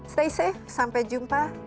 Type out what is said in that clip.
stay safe sampai jumpa